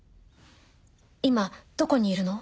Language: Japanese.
今どこにいるの？